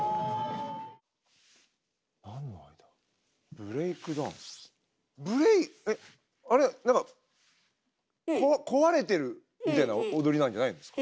ブレイクえっあれ何か「壊れてる」みたいな踊りなんじゃないんですか？